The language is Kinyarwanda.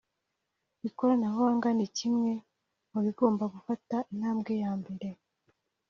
ikoranabuhanga ni kimwe mu bigomba gufata intambwe ya mbere